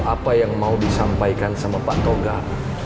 apa yang mau disampaikan sama pak toga